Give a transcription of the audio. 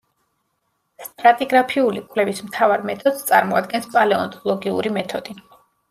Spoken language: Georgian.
სტრატიგრაფიული კვლევის მთავარ მეთოდს წარმოადგენს პალეონტოლოგიური მეთოდი.